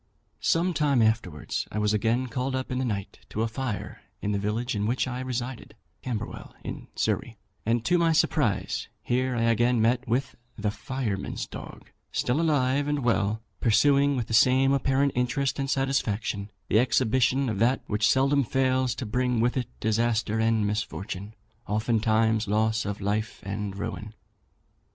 "Some time afterwards, I was again called up in the night to a fire in the village in which I resided (Camberwell, in Surrey), and to my surprise here I again met with 'the firemen's dog,' still alive and well, pursuing, with the same apparent interest and satisfaction, the exhibition of that which seldom fails to bring with it disaster and misfortune, oftentimes loss of life and ruin.